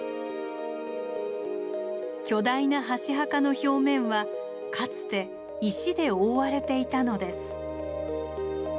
巨大な箸墓の表面はかつて石で覆われていたのです。